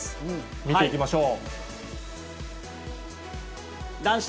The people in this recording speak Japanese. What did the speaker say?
見ていきましょう。